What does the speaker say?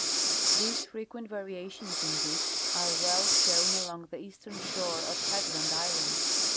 These frequent variations in dip are well shown along the eastern shore of Headland island.